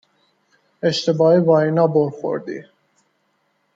اشتباهی با اینا بُر خوردی